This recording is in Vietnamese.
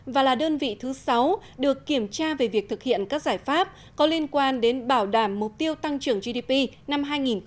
và là đơn vị thứ sáu được kiểm tra về việc thực hiện các giải pháp có liên quan đến bảo đảm mục tiêu tăng trưởng gdp năm hai nghìn hai mươi